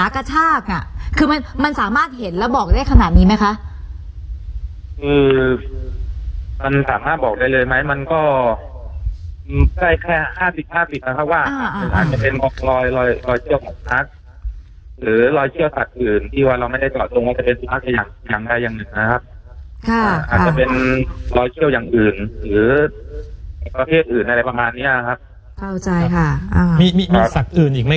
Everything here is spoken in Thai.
อาจารย์อาจารย์อยากตั้งคำถามอะไรไหมอาจารย์เชี่ยวชันกว่า